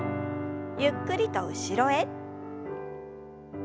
ゆっくりと後ろへ。